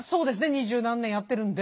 二十何年やってるんで。